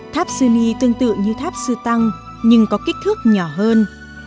tháp sư tương tự như tháp sư tăng nhưng có kích thước nhỏ hơn